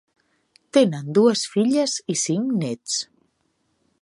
Tenen dues filles i cinc nets.